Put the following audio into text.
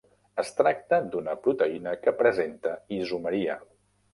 Es tracta d'una proteïna que presenta isomeria.